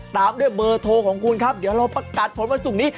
ตามด้วยเบอร์โทรของคุณครับเดี๋ยวเราประกาศผลวันศุกร์นี้